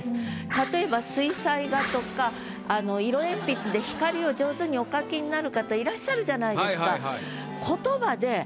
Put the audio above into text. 例えば水彩画とか色鉛筆で光を上手にお描きになる方いらっしゃるじゃないですか。